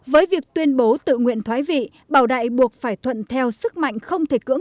với việc tuyên bố tự nguyện thoái vị bảo đại buộc phải thuận theo sức mạnh không thể cưỡng